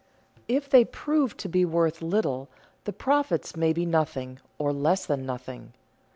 If they prove to be worth little, the profits may be nothing or less than nothing.